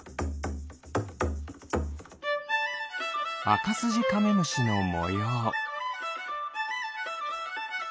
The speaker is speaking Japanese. アカスジカメムシのもよう。